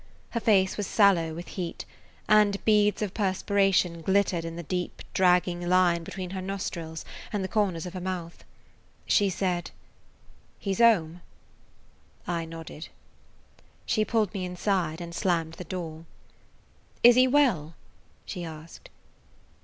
Her face was sallow with heat, and beads of perspiration glittered in the deep, dragging line between her nostrils and the corners of her mouth. She said: "He 's home?" I nodded. She pulled me inside and slammed the door. "Is he well?" she asked.